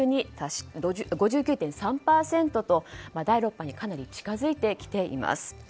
５９．３％と第６波にかなり近づいています。